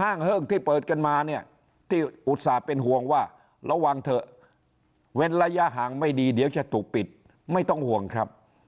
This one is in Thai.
ห้างเฮิ้งที่เปิดกันมาเนี่ยที่อุตส่าห์เป็นห่วงว่าระวังเถอะเว้นระยะห่างไม่ดีเดี๋ยวจะถูกปิดไม่ต้องห่วงครับ